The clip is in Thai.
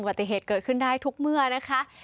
ปฏิเหตุเกิดขึ้นได้ทุกเมื่อนะคะ